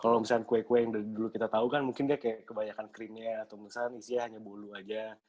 kalau misalnya kue kue yang dari dulu kita tahu kan mungkin dia kayak kebanyakan krimnya atau misalnya isinya hanya bolu aja